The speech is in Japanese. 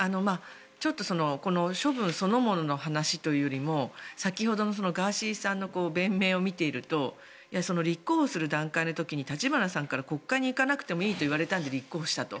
この処分そのものの話というよりも先ほどのガーシーさんの弁明を見ていると立候補する段階の時に立花さんから国会に行かなくてもいいと言われたので立候補したと。